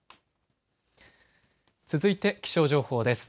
続いて気象情報です。